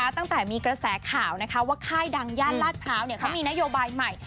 ตั้งแต่มีกระแสข่าวว่าค่ายดังย่านลาดพร้าวเขามีนโยบายใหม่